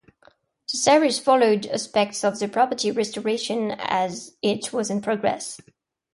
The series followed aspects of the property restoration as it was in progress.